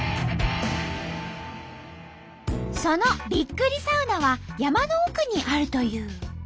そのびっくりサウナは山の奥にあるという。